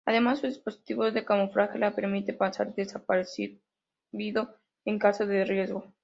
Además, su dispositivo de camuflaje le permite pasar desapercibido en caso de riesgo.